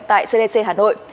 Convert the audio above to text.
tại cdc hà nội